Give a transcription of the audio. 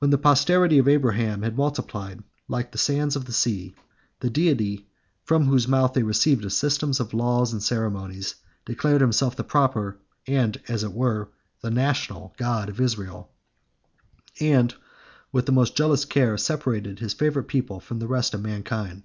When the posterity of Abraham had multiplied like the sands of the sea, the Deity, from whose mouth they received a system of laws and ceremonies, declared himself the proper and as it were the national God of Israel; and with the most jealous care separated his favorite people from the rest of mankind.